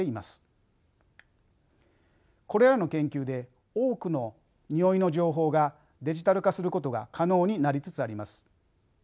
これらの研究で多くのにおいの情報がデジタル化することが可能になりつつあります。